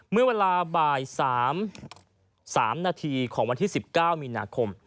เมื่อเวลาบ่าย๓นาทีของวันที่๑๙มีนาคม